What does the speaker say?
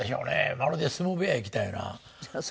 まるで相撲部屋へ来たような。